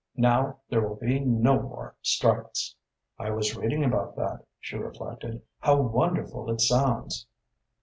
Now there will be no more strikes." "I was reading about that," she reflected. "How wonderful it sounds!"